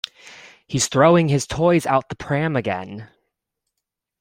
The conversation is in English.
He’s throwing his toys out the pram again